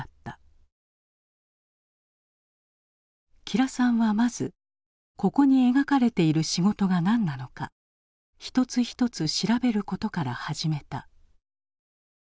吉良さんはまずここに描かれている仕事が何なのか一つ一つ調べることから始めた。